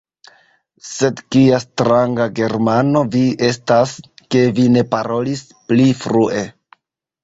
Sed kia stranga Germano vi estas, ke vi ne parolis pli frue!